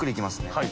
はい。